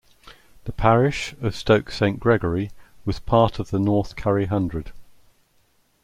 The parish of Stoke Saint Gregory was part of the North Curry Hundred.